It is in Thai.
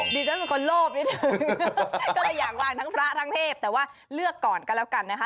ดิฉันเป็นคนโลภนิดนึงก็เลยอยากวางทั้งพระทั้งเทพแต่ว่าเลือกก่อนก็แล้วกันนะคะ